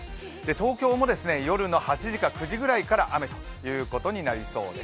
東京も夜の８時か９時ぐらいから雨ということになりそうです。